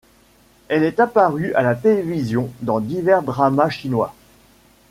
Elle est apparue à la télévision dans divers dramas chinois.